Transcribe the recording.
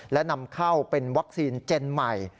และนำเข้าเป็นวัคซีนเจนใหม่